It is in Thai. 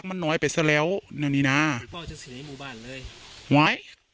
มันน่อยไปสักแล้วมงี้น่ะมุบันเลยไว้